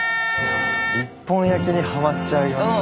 一本焼きにはまっちゃいますね。